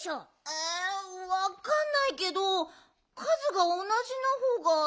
えわかんないけどかずがおなじのほうがずるくないのかな？